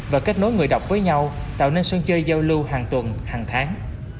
và kết nối người đọc với nhau tạo nên sân chơi giao lưu hàng tuần hàng tháng